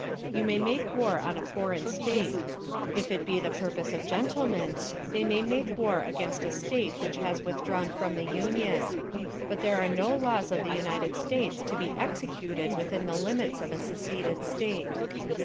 You may make war on a foreign state. If it be the purpose of gentlemen, they may make war against a State which has withdrawn from the Union; but there are no laws of the United States to be executed within the limits of a seceded State.